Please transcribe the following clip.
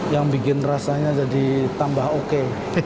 yang bikin rasanya jadi tambah oke